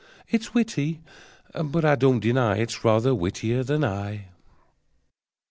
It's witty, but I don't deny It's rather Whittier than I!)